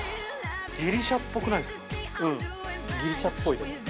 ギリシャっぽくないですか？